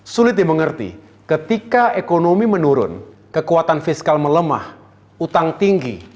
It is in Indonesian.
sulit dimengerti ketika ekonomi menurun kekuatan fiskal melemah utang tinggi